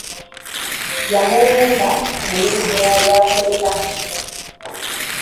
Yamulumba ku mulimu gye yali akolera.